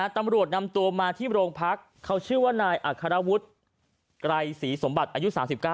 ตำรวจนำตัวมาที่โรงพักเขาชื่อว่านายอัครวุฒิไกรศรีสมบัติอายุ๓๙